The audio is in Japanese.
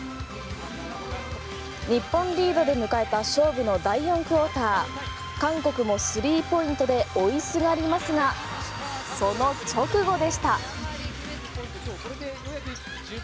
日本リードで迎えた勝負の第４クォーター韓国も３ポイントで追いすがりますがその直後でした。